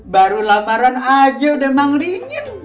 baru lamaran aja udah menglingin